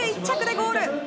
１着でゴール！